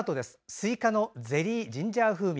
すいかのゼリージンジャー風味